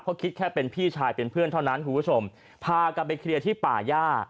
เพราะคิดแค่เป็นพี่ชายเป็นเพื่อนเท่านั้นคุณผู้ชมพากันไปเคลียร์ที่ป่าย่า